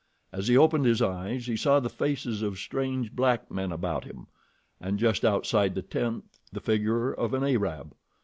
As he opened his eyes he saw the faces of strange black men about him, and just outside the tent the figure of an Arab.